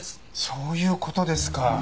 そういう事ですか。